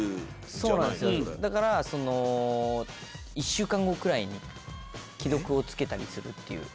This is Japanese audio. そうなんですよだからその１週間後くらいに既読をつけたりするっていう。